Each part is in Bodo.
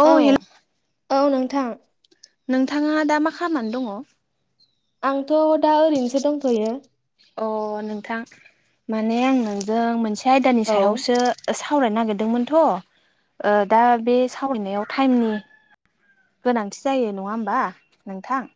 औ हेल'। औ नोंथां। नोंथाङा दा मा खालामनानै दङ। आंथ' दा ओरैनोसो दंफैयो। अ नोंथां माने आं नोंजों मोनसे आयदानि औ सायावसो सावरायनो नागिरदोंमोनथ' दा बे सावरायनायाव टाइमनि गोनांथि जायो नङा होमबा नोंथां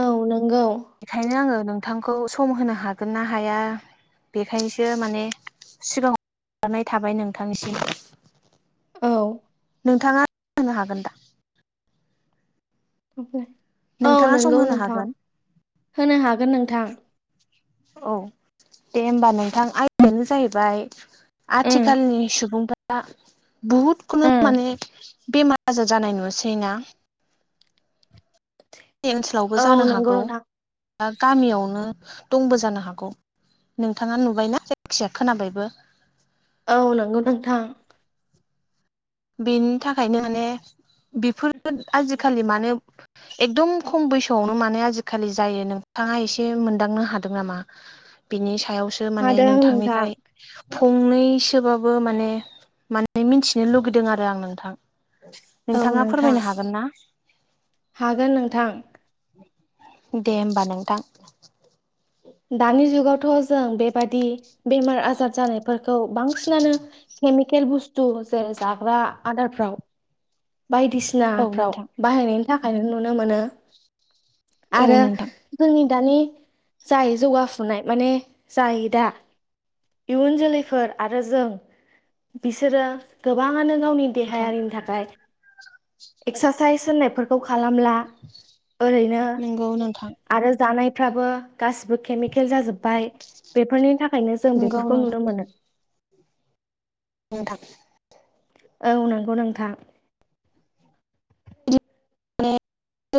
औ नोंगौ बेखायनो आङो नोंथांखौ सम होनो हागोन ना हाया बेखायनोसो माने सिगाङाव [unintelligible] थाबाय नोंथांनिसिम औ नोंथाङान [unintelligible] हागोन दा फ्राय औ नोंथाङा सम नोंगौ होनो नोंथां हागोन होनो हागोन नोंथां औ दे होमबा नोंथां आयानो जाहैबाय उम आथिखालनि सुबुंफोरा बहुद खुनु उम माने बेमार आजार जानाय नुसै ना ओनसोलावबो औ जानो नंगौ हागौ नोंथां बागामियावनो दंबो जानो हागौ। नोंथाङा नुबायना जायखिजाया खोनाबायबो औ नंगौ नोंथां बेनि थाखायनो माने बेफोर आजिखालि मानो एकदम खम बैसोआवनो माने आजिखालि जायो नोंथाङा एसे मोनदांनो हादों नामा बिनि सायावसो माने हादों नोंथां नोंथांनिफ्राय फंनैसोबाबो माने माने मिनथिनो लुबैदों नोंथां औ नोंथाङा नोंथां फोरमायनो हागोन ना हागोन नोंथां दे होमबा नोंथां दानि जुगावथ' जों बेबादि बेमार आजार जानायफोरखौ बांसिनानो केमिकेल बुस्थु जेर जाग्रा आदारफ्राव बायदिसिना औ सिनाफ्राव नोंथां बाहायनायनि थाखायनो नुनो मोनो औ आरो नोंथां जोंनि दानि जाय जौगाफुनाय माने जाय दा इयुन जोलैफोर आरो जों बिसोरो गोबाङानो गावनि नोंथां देहायारिनि थाखाय एक्सारसाइस होननायफोरखौ खालामला ओरैनो नंगौ नोंथां आरो जानायफ्राबो गासिबो केमिकेल जाजोब बाय बेफोरनि थाखायनो जों नंगौ बेफोरखौ नोंथां नुनो मोनो [unintelligible] औ नंगौ नोंथां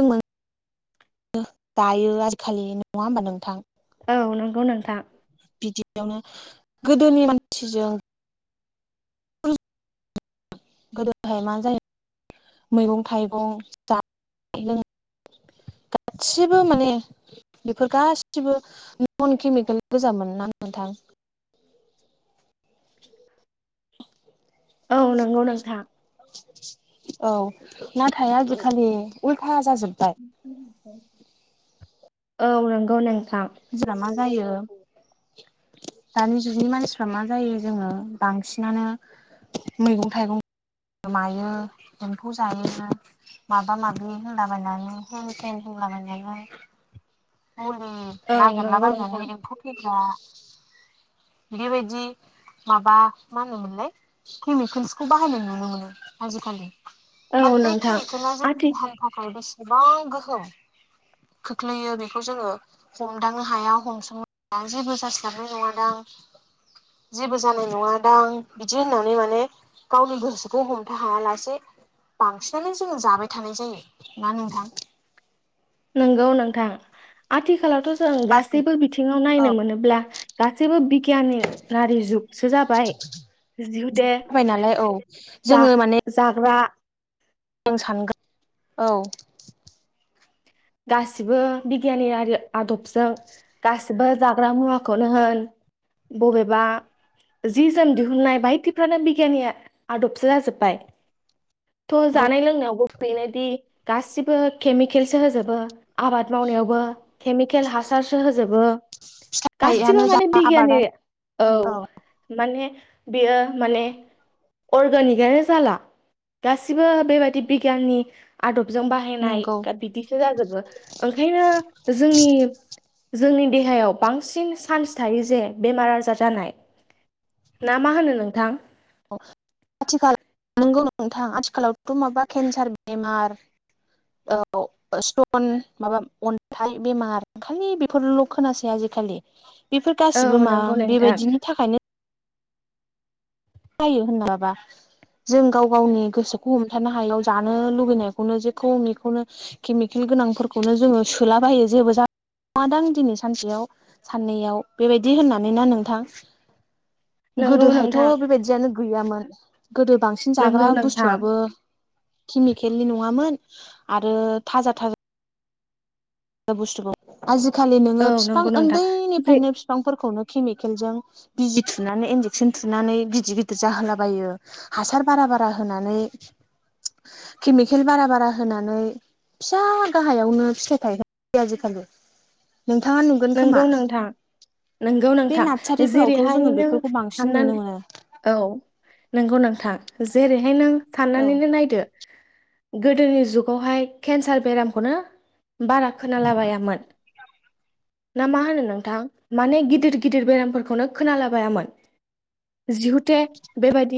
माने [unintelligible] दायो आजिखालि नङा होमबा नोंथां औ नंगौ नोंथां बिदियावनो गोदोनि मानसिजों गोदोहाय मा जायो मैगं थाइगं जानाय लों गासिबो माने बेफोर गासिबो नन केमिकेल गोजामोन ना नोंथां औ नंगौ नोंथां औ नाथाय आजिखालि उल्थ जाजोबबाय औ नंगौ नोंथां [unintelligible] मा जायो दानि जुगनि मानसिफ्रा मा जायो जोङो बांसिनानो मैगं थाइगं गोमायो एम्फौ जायो माबा माबि होनलाबायनानै हेन थेन बुंलाबायनायमोन मुलि औ नंगौ नोंथां नागिरलाबायनानै एम्फौ थैग्रा बेबायदि माबा मा होनोमोनलाय केमिकेल्सखौ बाहायनाय नुनो मोनो आजिखालि बाद औ बे नोंथां [unintelligible] जोंनि आथि थाखाय [unintelligible] गोबां गोहोम खोख्लोयो बे बेखौ जोङो हमदांनो हाया हमसंनो हाया जेबो जास्लाबनाय नङादां जेबो जानाय नङा दां आ बिदि होननानै माने गावनि गोसोखौ हमथा हाया लासे बांसिनानो जोङो जाबाय थानाय जायो ना नोंथां नंगौ नोंथां आथिखालावथ' जों गासैबो बिथिङाव नायनो मोनोब्ला गासैबो बिगियान रारि जुगसो जाबाय जिहुते बाय नालाय औ जा जोङो माने जाग्रा जों सानगोन औ गासिबो बिगियाननि आदबजों गासिबो जाग्रा मुवाखौनो होन बबेबा जि जोम दिहुननाय बायदिफ्रानो बिगियाननि आदबसो जाजोब्बाय थ' नंगौ जानाय लोंनायावबो बेनोदि गासिबो केमिकेलसो होजोबो बो आबाद मावनायावबो केमिकेल हासारसो होजोबो गासिबो माइयानो जा माने बिगियनि आबादानो औ माने बियो माने अर्गेनिकआनो जाला गासिबो बेबादि बिगियाननि आदबजों बाहायनाय नंगौ दा बिदिसो जाजोबो ओंखायनो जोंनि जोंनि देहायाव बांसिन चान्स थायो जे बेमार आजार जानाय ना मा होनो नोंथां आथिखाल नंगौ नोंथां आथिखालावथ' माबा केन्सार बेमार औ स्ट'न माबा अन्थाइ बेमार खालि बेफोरल' खोनासै आजिखालि बेफोर औ गासिबो मा नंगौ नोंथां बेबायदिनि थाखायनो जायो होनना बा जों गाव गावनि गोसोखौ हमथानो हायाव जानो लुुबैनायखौनो जेखौ मेखौनो केमिकेल गोनांफोरखौनो जोङो सोलाबायो जेबो जा नङादां दिनै सानसेयाव साननैयाव बेबायदि होननानै ना नोंथां नंगौ नोंथां गोदोहायथ' बेबायदियानो गैयामोन गोदो बांसिन जाग्रा नंगौ नोंथां बुस्थुआबो केमिकेलनि नङामोन आरो थाजा था बुस्थुखौ आजिखालि नोङो औ बिफां नंगौ नोंथां जे उन्दैनिफ्रायनो बिफांफोरखौनो केमिकेलजों बिजि थुनानै इनजेकसन थुनानै गिदिर गिदिर जाहोलाबायो हासार बारा बारा होनानै केमिकेल बारा बारा होनानै फिसा गाहायावनो फिथाइ थायगोन आजिखालि नोंथाङा नुगोन खोमा नंगौ नोंथां नंगौ बे नोंथां नार्सारिफोरावथ' जेरैहाय जोङो नों बेफोरखौ बांसिन नुनो मोनो साननानै औ नंगौ नोंथां जेरैहाय नों औ साननानैनो नायदो गोदोनि जुगावहाय केन्सार बेरामखौनो बारा खोनालाबायामोन ना मा होनो नोंथां माने गिदिर गिदिर बेरामफोरखौनो खोनालाबायामोन जिहुते बेबायदि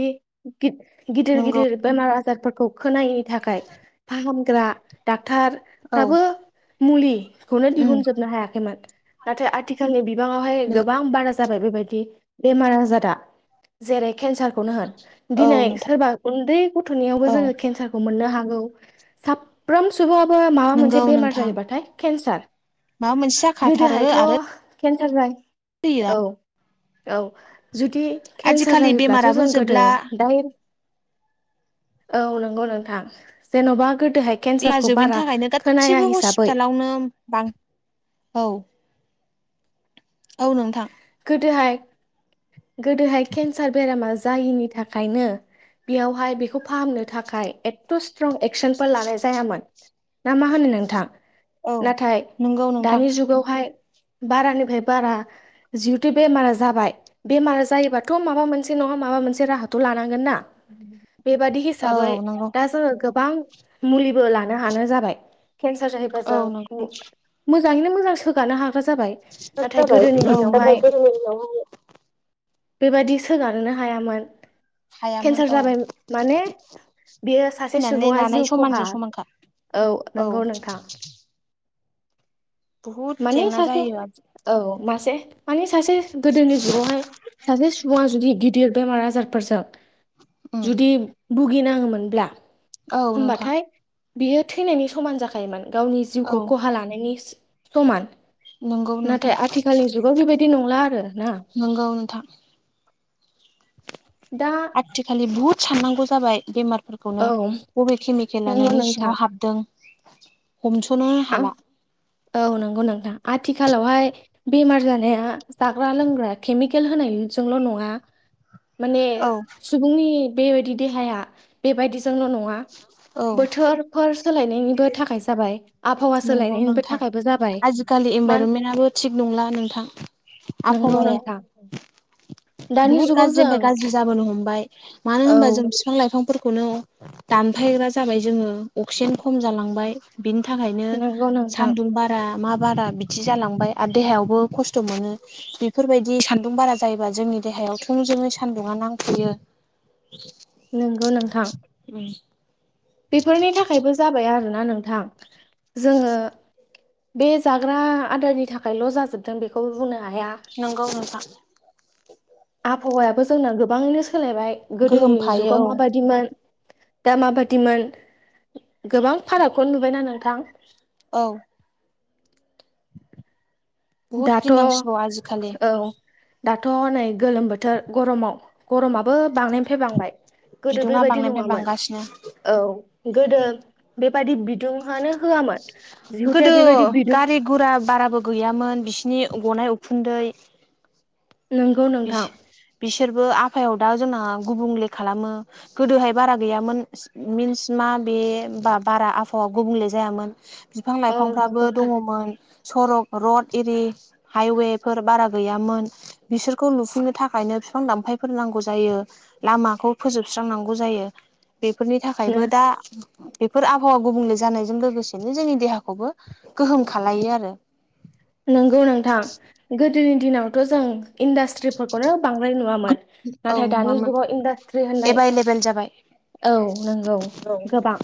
गिदिर नंगौ गिदिर बेमार आजारफोरखौ खोनायैनि थाखाय फाहामग्रा डाक्टर औ फाबो मुलिखौनो उम दिहुनजोबनो हायाखैमोन नाथाय आथिखाल नि बिबाङावहाय नंगौ गोबां बारा जाबाय बेबायदि बेमार आजारा जेरै केन्सारखौनो होन औ दिनै नोंथां सोरबा उन्दै गथ'नियावबो औ जोङो केन्सारखौ मोननो हागौ साब फ्रोम सुबुआबो माबा नंगौ मोनसे बेमार नोंथां जायोबाथाय केन्सार माबा मोनसे जाखाथारो गोदोहायथ' आरो केन्सार जा [unintelligible] औ औ जुदि केन्सार आजिखालि जायोब्लाथ' बेमाराबो जों गोदो जोबला जाय औ नंगौ नोंथां जेन'बा गोदोहाय [unintelligible] केन्सारखौ जोबैनि बारा थाखायनो खोनाया गासिबो हिसाबै हस्पिटालावनो औ औ नों गोदोहाय गोदोहाय केन्सार बेरामा जायिनि थाखायनो बेयावहाय बेखौ फाहामनो थाखाय जेबो एथ' स्ट्रं एक्सनफोर लानाय जायामोन ना मा होनो नोंथां औ नाथाय नंगौ नोंथां दानि जुगावहाय बारानिफ्राय बारा जिहेथु बेमारा जाबाय बेमारा जायोबाथ' माबा मोनसे नङा माबा मोनसे राहाथ' लानांगोन ना बेबादि औ हिसाबै नंगौ दा जोङो गोबां। मुलिबो लानो हानाय जाबाय केन्सार जाहैबा औ नंगौ जों मोजाङैनो मोजां सोगानो हाग्रा जाबाय नाथाय जाबाय गोदोनि दिनाव नाथाय गोदोनि दिनावहाय बेबादि सोफानोनो हायामोन हायामोन केन्सार औ जाबाय माने बियो सासे थैनानै सुबुङा लानाय जिउ खहा समानजों समानखा औ नंगौ नोंथां। बुहुद माने जेंना सासे जायो आरो। औ मासे माने सासे गोदोनि जुगावहाय सासे सुबुङा जुदि गिदिर बेमार आजारफोरजों उम जुदि भुगिनाङोमोनब्ला औ नोंथां होमबाथाय बियो थैनायनि समान जाखायोमोन गावनि औ जिउखौ खहा लानायनि समान। नंगौ नाथाय नोंथां आथिखालनि जुगाव बेबायदि नंला आरो ना? नंगौ नोंथां। मा आथिखालि बुहुत साननांगौ जाबाय बेमारफोरखौ खौनो औ बबे केमिकेला नंगौ नोंनि नोंथां सिङाव हाबदों हमस'नो आं हाला। औ नंगौ नोंथां आथिखालावहाय बेमार जानाया जाग्रा लोंग्रा केमिकेल होनायजोंल' नङा माने औ सुबुंनि बेबायदि देहाया बेबायदिजोंल' नङा औ बोथोरफोर सोलायनायनिबो थाखाय जाबाय। आबहावा नंगौ सोलायनायनिबो नोंथां थाखायबो जाबाय आजिखालि मान इनभाइरनमेन्टआबो थिग नंला नोंथां। नोंगौ आबहावाया नोंथां। दानि बुहुत जुगाव जों गाज्रिनिफ्राय गाज्रि जाबोनो हमबाय मानो औ होनबा जों बिफां-लाइफांफोरखौनो दानफायग्रा जाबाय जोङो अक्सिजेन खम जालांबाय। बिनि थाखायनो नंगौ नोंथां सान्दुं बा मा बारा बिदि जालांबाय आरो देहायावबो खस्थ' मोनो। बेफोरबादि सान्दुं बारा जायोबा जोंनि देहायावथ' मोजोङै सान्दुंआ नांफैयो। नंगौ नोंथां। [inaudible] बेफोरनि थाखायबो जाबाय आरोना नोंथां जोङो। बे जाग्रा आदारनि थाखायल' जाजोबदों बेखौ बुंनो हाया। नोंगौ नोंथां। आबहावायाबो जोंना गोबाङैनो सोलायबाय गोदोनि गोहोमफायो जुगाव औ माबादिमोन दा माबायिमोन गोबां फारागखौनो नुबायना नोंथां। औ। बुहुद दाथ' गिनांसिगौ आजिखालि औ दाथ' नै गोलोम बोथोर गरमाव गरमा बो बांनायनिफ्राय बांबाय गोदो बिदुङा बेबायदि बांनायनिफ्राय नङामोन। बांगासिनो औ गोदो बेबादि बिदुंआनो होआमोन गोदो जिहुता बेबादि बिदुं गारि गुरा बाराबो गैयामोन बिसिनि गनाय उखुन्दै उम बिस बिसोरबो आफायाव दा जोंना गुबुंले खालामो। गोदोहाय बारा गैयामोन। मिन्स मा बे बा बारा आबहावा गुबुंले जायामोन। बिफां औ नंगौ लाइफांफ्राबो नोंथां दङमोन। सरक रड ओरि हाइवे फोर बारा गैयामोन बिसोर खौ लुफुंनो थाखायनो बिफां दामफायफोर नांगौ जायो लामाखौ फोजोबस्रांनांगौ जायो। बेफोरनि थाखायबो दा बेफोर आबहावा गुबुंले जानायजों लोगोसेनो जोंनि देहाखौबो गोहोम खालामलायो आरो। नंगौ नोंथां गोदोनि दिनावथ' जों इनडासट्रिफोरखौनो बांद्राय नुयामोन नाथाय दानि जुगाव इनडासट्रि एभाइलेबोेल जाबाय। औ नंगौ गोबां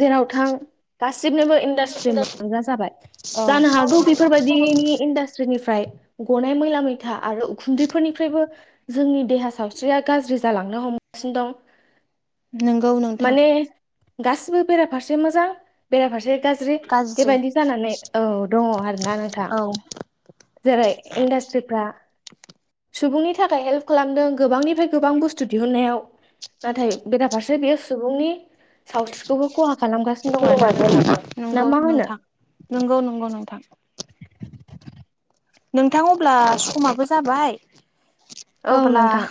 जेराव थां गासिनोबो औ इन्डास्ट्रिमोन। आजां जाबाय। औ। बेबायदिनि इन्डास्ट्रिनिफ्राय गनाय मैला मैथा आरो उखुन्दैफोरनिफ्रायबो जोंनि देहा सावस्रिया गाज्रि जालांनो हमगासिनो दं। नंगौ नोंथां माने गासिबो बेराफारसे मोजां बेराफारसे गाज्रि बेबायदि जानानै औ दङ आरो। औ जेरै इन्डास्ट्रिफ्रा सुबुंनि थाखाय हेल्प खालामदों गोबांनिफ्राय गोबां बुस्थु दिहुननायाव नाथाय बेराफारसे बेयो सुबुंनि सावस्रिखौबो खहा खालामगासिनो दं आरोना नोंथां ना नंगौ मा होनो? नोंथां नंगौ नंगौ नोंथां। नोंथां अब्ला समाबो जाबाय औ अब्ला नोंथां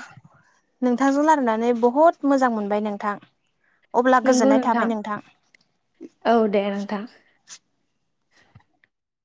नोंथांजों नारनानै बहुद मोजां मोनबाय नोंथां। अब्ला नंगौ गोजोननाय नोंथां थाबाय औ दे नोंथां।